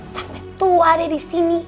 sampai tua deh disini